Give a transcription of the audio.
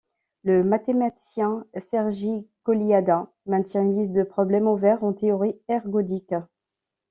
Le mathématicien Sergiy Kolyada maintient une liste de problèmes ouverts en théorie ergodique.